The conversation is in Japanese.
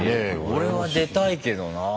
俺は出たいけどなあ。